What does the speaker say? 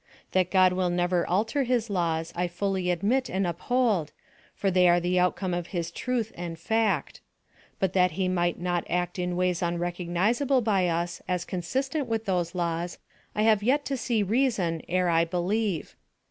That God will never alter his laws, I fully admit and uphold, for they are the outcome of his truth and fact; but that he might not act in ways unrecognizable by us as consistent with those laws, I have yet to see reason ere I believe.